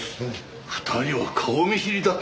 ２人は顔見知りだったんだな。